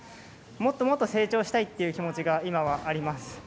もっともっと成長したいという気持ちが今はあります。